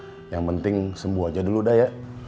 ya yang penting sembuh aja dulu dah ya